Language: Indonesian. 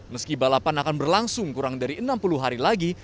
meski balapan akan berlangsung kurang dari enam puluh hari lagi